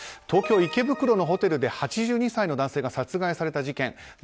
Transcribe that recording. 東京・池袋のホテルで８２歳の男性が殺害された事件。